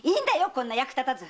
こんな役立たず！